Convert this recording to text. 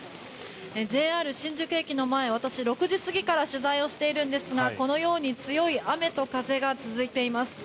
ＪＲ新宿駅の前私、６時過ぎから取材しているんですがこのように強い雨と風が続いています。